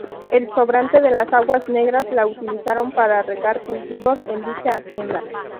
El sobrante de las aguas negras la utilizaron para regar cultivos en dicha hacienda.